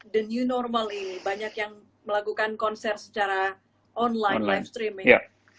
the new normal ini banyak yang melakukan konser secara online live streaming